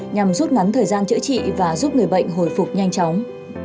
nhằm rút ngắn thời gian chữa trị và giúp người bệnh hồi phục nhanh chóng